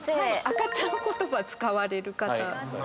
赤ちゃん言葉使われる方？